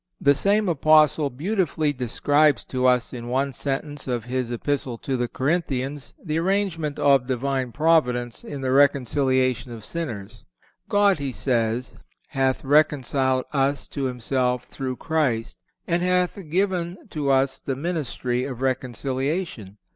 The same Apostle beautifully describes to us in one sentence of his Epistle to the Corinthians the arrangement of Divine Providence in the reconciliation of sinners: "God," he says, "hath reconciled us to Himself through Christ, and hath given to us the ministry of reconciliation....